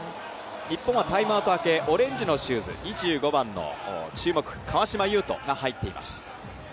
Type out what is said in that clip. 日本はタイムアウト明け、オレンジのシューズ、２５番の注目、川島悠翔が入っています。